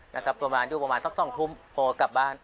นะครับประมาณอยู่ประมาณสัก๒ทุ่มผมก็กลับบ้าน